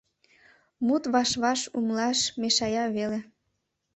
Мут ваш-ваш умылаш мешая веле.